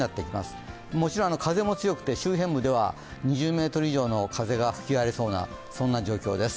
もちろん風も強くて周辺部では２０メートル以上の風が吹き荒れそうな状況です。